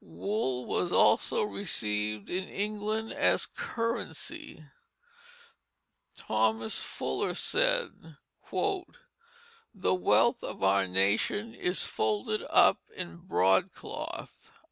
Wool was also received in England as currency. Thomas Fuller said, "The wealth of our nation is folded up in broadcloth."